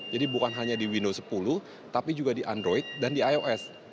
jadi bukan hanya di windows sepuluh tapi juga di android dan di ios